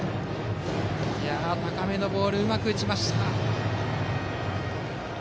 高めのボールをうまく打ちました。